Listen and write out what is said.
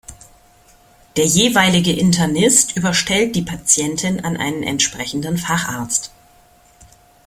Der jeweilige Internist überstellt die Patientin an einen entsprechenden Facharzt.